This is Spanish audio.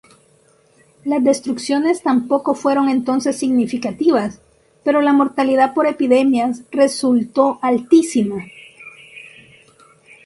Las destrucciones tampoco fueron entonces significativas, pero la mortalidad por epidemias resultó altísima.